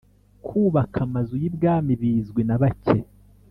kubaka Amazu yibwami bizwi nabake